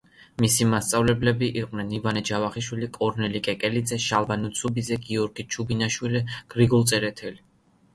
მისი მასწავლებლები იყვნენ: ივანე ჯავახიშვილი, კორნელი კეკელიძე, შალვა ნუცუბიძე, გიორგი ჩუბინაშვილი, გრიგოლ წერეთელი.